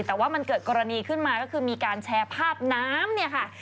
แต่ว่ามันเกิดกรณีขึ้นมาก็คือมีการแชร์ภาพน้ำเนี่ยค่ะ